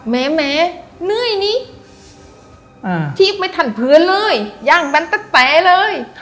แม้เหนื่อยนี้ชีพไม่ทันพื้นเลยย่างแบนตะแป๋เลย